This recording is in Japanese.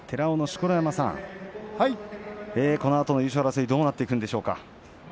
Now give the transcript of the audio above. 錣山さん、このあとの優勝争いどうなっていくんでしょうか。